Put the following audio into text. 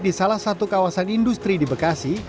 di salah satu kawasan industri di bekasi